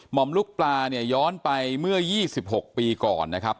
หม่อมลูกปลาย้อนไปเมื่อ๒๖ปีก่อนนะครับ